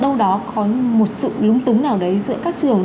đâu đó có một sự lúng túng nào đấy giữa các trường